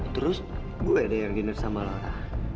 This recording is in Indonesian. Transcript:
terus gue dayangin sama laura